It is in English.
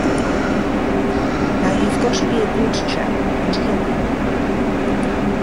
Now you’ve got to be a good chap and help me.